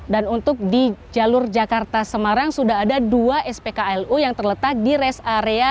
dan untuk di jalur jakarta semarang sudah ada dua spklu yang terletak di res area